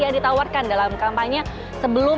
yang ditawarkan dalam kampanye sebelum